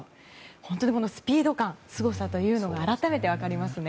本当にスピード感、すごさというのが改めて分かりますね。